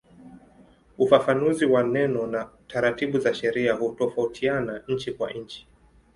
Ufafanuzi wa neno na taratibu za sheria hutofautiana nchi kwa nchi.